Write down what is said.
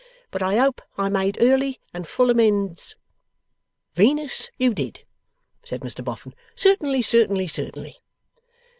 But I hope I made early and full amends.' 'Venus, you did,' said Mr Boffin. 'Certainly, certainly, certainly.